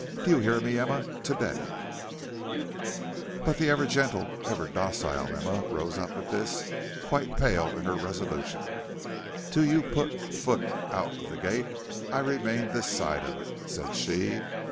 Do you hear me, Emma, to day?" But the ever gentle, ever docile Emma rose up at this, quite pale in her resolution. "Till you put foot out of the gate I remain this side of it," said she.